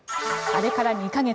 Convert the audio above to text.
あれから２か月。